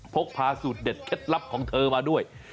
พกพาสูตรเด็ดเคล็ดลับของเธอมาด้วย